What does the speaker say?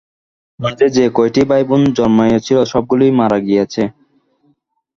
মাঝে যে কয়টি ভাইবোন জন্মিয়াছিল সবগুলিই মারা গিয়াছে।